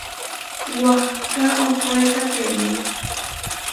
Wahká ohóekateme.